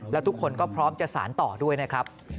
แล้วทุกคนก็พร้อมจะสารต่อด้วยนะครับ